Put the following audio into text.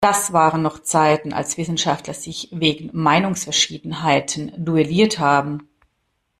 Das waren noch Zeiten, als Wissenschaftler sich wegen Meinungsverschiedenheiten duelliert haben!